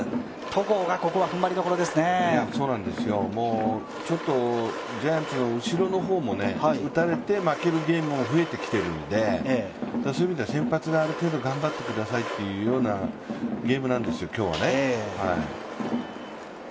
そうなんですよ、ジャイアンツの後ろの方も打たれて負けるゲームも増えてきているんで、そういう意味では先発がある程度頑張ってくださいというようなゲームなんですよ、今日は。